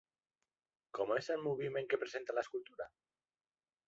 Com és el moviment que presenta l'escultura?